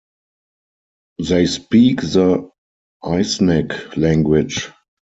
They speak the Isneg language.